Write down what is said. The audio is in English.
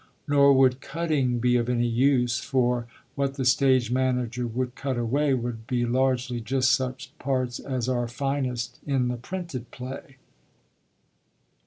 Nor would cutting be of any use, for what the stage manager would cut away would be largely just such parts as are finest in the printed play.